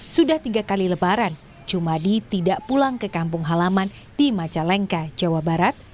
sudah tiga kali lebaran jumadi tidak pulang ke kampung halaman di majalengka jawa barat